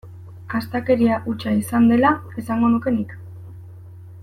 Astakeria hutsa izan dela esango nuke nik.